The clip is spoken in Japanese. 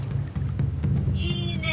いいねえ。